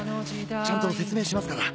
ちゃんと説明しますから。